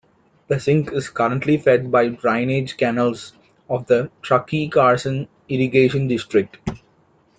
The sink is currently fed by drainage canals of the Truckee-Carson Irrigation District.